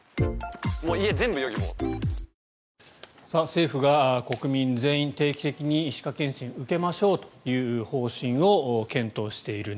政府が国民全員定期的に歯科検診を受けましょうという方針を検討している。